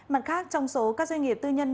mặt khác trong số các doanh nghiệp tư nhân